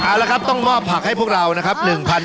เอาละครับต้องมอบผักให้พวกเรานะครับ